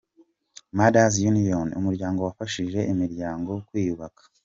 Mothers Union: Umuryango wafashije imiryango kwiyubaka.